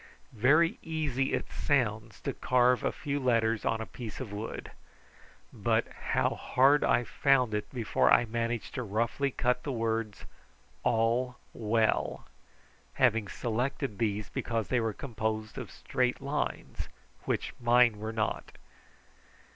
Very easy it sounds to carve a few letters on a piece of wood, but how hard I found it before I managed to roughly cut the words "All Well," having selected these because they were composed of straight lines, which mine were not.